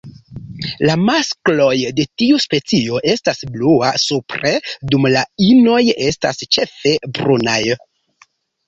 La maskloj de tiu specio estas blua supre, dum la inoj estas ĉefe brunaj.